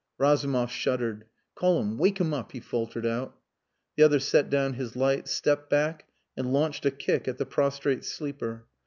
Razumov shuddered. "Call him, wake him up," he faltered out. The other set down his light, stepped back and launched a kick at the prostrate sleeper.